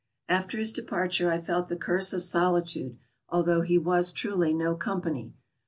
After his departure I felt the curse of solitude, although he was truly no company.